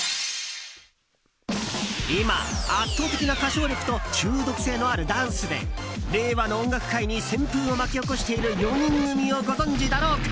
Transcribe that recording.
今、圧倒的な歌唱力と中毒性のあるダンスで令和の音楽界に旋風を巻き起こしている４人組をご存じだろうか？